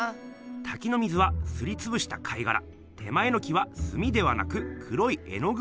たきの水はすりつぶした貝がら手前の木はすみではなく黒い絵のぐをぬりかさねています。